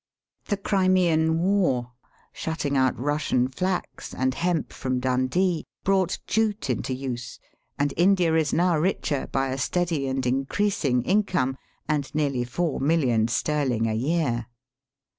The Crimean war, shutting out Kussian flax and hemp from Dundee, brought jute into use, and India is now richer by a steady and increasing income and nearly four millions sterling a year.